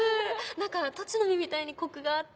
何かトチの実みたいにコクがあって。